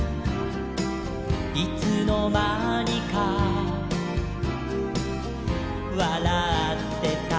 「いつのまにかわらってた」